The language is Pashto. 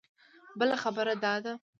بله خبره دا ده.